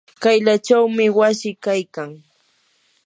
kaylachawmi wasi kaykan.